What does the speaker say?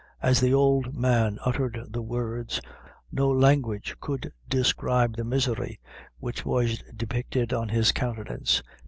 As the old man uttered the words, no language could describe the misery which was depicted on his countenance.